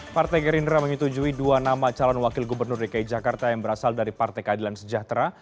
partai gerindra menyetujui dua nama calon wakil gubernur dki jakarta yang berasal dari partai keadilan sejahtera